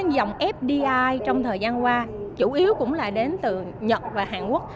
dòng fdi trong thời gian qua chủ yếu cũng là đến từ nhật và hàn quốc